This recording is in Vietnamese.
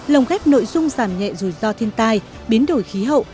lồng ghép nội dung giảm nhẹ rủi ro thiên tai biến đổi khí hậu